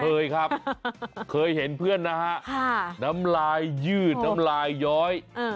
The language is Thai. เคยครับเคยเห็นเพื่อนนะฮะน้ำลายยืดน้ำลายย้อย